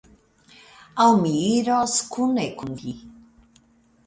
aŭ mi iros kune kun vi.